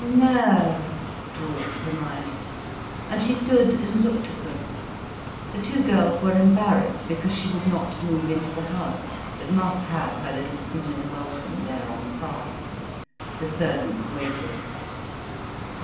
"No—" drawled Hermione. And she stood and looked at them. The two girls were embarrassed because she would not move into the house, but must have her little scene of welcome there on the path. The servants waited.